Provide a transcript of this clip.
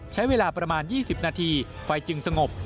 ใช้เวลาประมาณ๒๐นาทีไฟจึงสงบ